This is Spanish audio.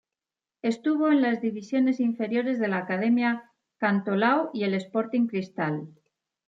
Estuvo en las divisiones inferiores de la Academia Cantolao y el Sporting Cristal.